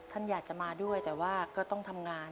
ท่านอยากจะมาด้วยแต่ว่าก็ต้องทำงาน